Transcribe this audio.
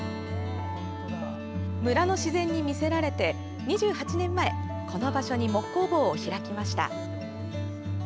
村の自然に魅せられて、２８年前この場所に木工房を開きました。